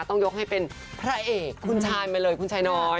ต้องยกให้เป็นพระเอกคุณชายมาเลยคุณชายน้อย